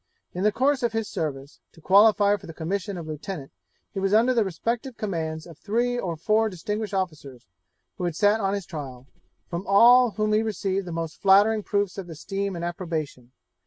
In the course of his service, to qualify for the commission of lieutenant, he was under the respective commands of three or four distinguished officers, who had sat on his trial, from all of whom he received the most flattering proofs of esteem and approbation.